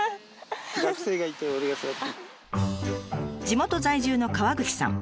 地元在住の川口さん。